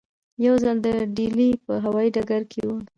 یو ځل د ډیلي په هوایي ډګر کې وو.